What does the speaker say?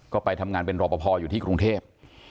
ก็ไปทำงานเป็นรอปภอยู่ที่กรุงเทพ